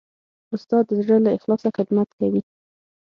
استاد د زړه له اخلاصه خدمت کوي.